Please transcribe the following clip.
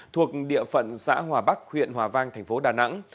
thuộc địa phận xã hòa bắc huyện hòa vang thành phố đà nẵng